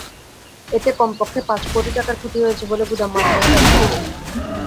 এতে কমপক্ষে পাঁচ কোটি টাকার ক্ষতি হয়েছে বলে গুদাম মালিকেরা দাবি করেছেন।